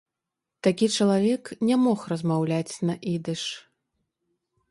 Такі чалавек не мог размаўляць на ідыш.